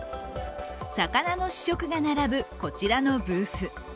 魚の試食が並ぶこちらのブース。